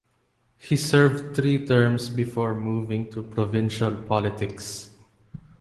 He served three terms before moving to provincial politics.